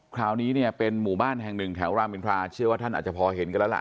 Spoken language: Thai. คราวนี้เนี่ยเป็นหมู่บ้านแห่งหนึ่งแถวรามอินทราเชื่อว่าท่านอาจจะพอเห็นกันแล้วล่ะ